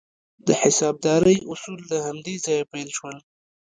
د حسابدارۍ اصول له همدې ځایه پیل شول.